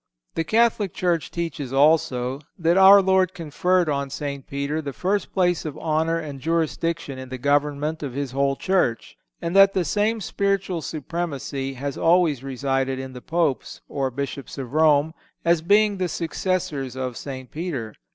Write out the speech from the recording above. The Catholic Church teaches also, that our Lord conferred on St. Peter the first place of honor and jurisdiction in the government of His whole Church, and that the same spiritual supremacy has always resided in the Popes, or Bishops of Rome, as being the successors of St. Peter.